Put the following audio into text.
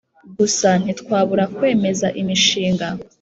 Gusa ntitwabura kwemeza imishinga